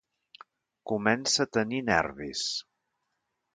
Comença a tenir nervis.